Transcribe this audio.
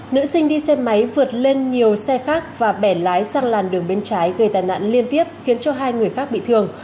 nữ sinh đi xe máy vượt lên nhiều xe khác và bẻ lái sang làn đường bên trái gây tàn nạn liên tiếp khiến cho hai người khác bị thương